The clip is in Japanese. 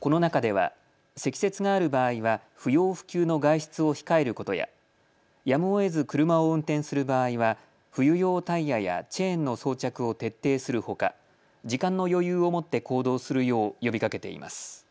この中では積雪がある場合は不要不急の外出を控えることややむをえず車を運転する場合は冬用タイヤやチェーンの装着を徹底するほか時間の余裕を持って行動するよう呼びかけています。